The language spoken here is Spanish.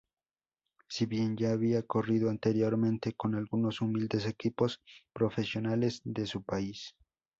Si bien ya había corrido anteriormente con algunos humildes equipos profesionales de su país.